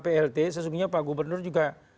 plt sesungguhnya pak gubernur juga